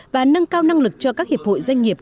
và nâng cao năng lực cho các hiệp hội doanh nghiệp